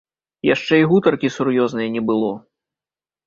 Яшчэ і гутаркі сур'ёзнае не было.